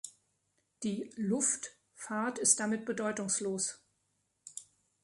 Die "Luft"fahrt ist damit bedeutungslos.